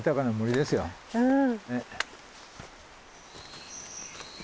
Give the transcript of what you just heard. うん。